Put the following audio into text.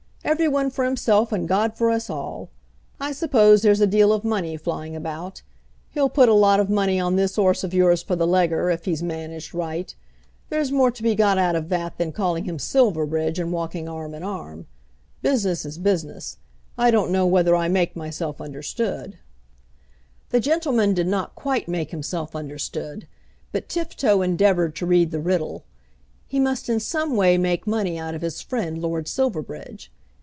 Every one for himself and God for us all. I suppose there's a deal of money flying about. He'll put a lot of money on this 'orse of yours for the Leger if he's managed right. There's more to be got out of that than calling him Silverbridge and walking arm in arm. Business is business. I don't know whether I make myself understood." The gentleman did not quite make himself understood; but Tifto endeavoured to read the riddle. He must in some way make money out of his friend Lord Silverbridge.